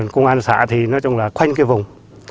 công an xã thì nói chung là khoanh cái vùng